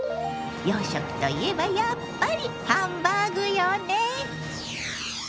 洋食といえばやっぱりハンバーグよね。